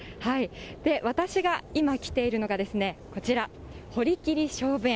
私が今、来ているのが、こちら、堀切菖蒲園。